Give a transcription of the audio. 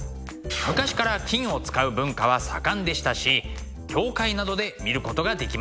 昔から金を使う文化は盛んでしたし教会などで見ることができますね。